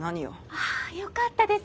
ああよかったです。